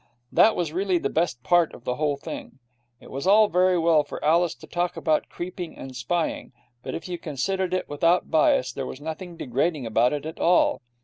That was really the best part of the whole thing. It was all very well for Alice to talk about creeping and spying, but, if you considered it without bias, there was nothing degrading about it at all.